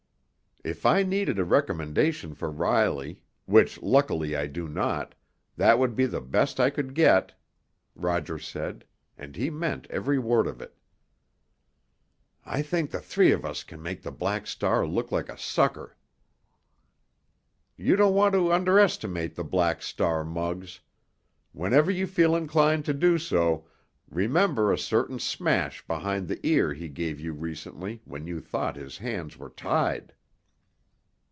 "If I needed a recommendation for Riley—which luckily I do not—that would be the best I could get," Roger said, and he meant every word of it. "I think the three of us can make the Black Star look like a sucker!" "You don't want to underestimate the Black Star, Muggs. Whenever you feel inclined to do so, remember a certain smash behind the ear he gave you recently when you thought his hands were tied."